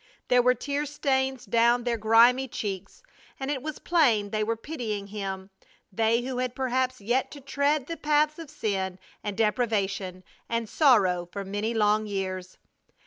There were tear stains down their grimy cheeks and it was plain they were pitying him, they who had perhaps yet to tread the paths of sin and deprivation and sorrow for many long years.